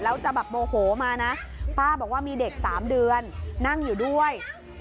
แล้วจะแบบโมโหมานะป้าบอกว่ามีเด็ก๓เดือนนั่งอยู่ด้วย